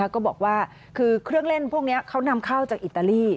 ก็บอกว่าคือเครื่องเล่นพวกนี้เขานำเข้าจากอิตาลี